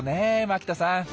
牧田さん。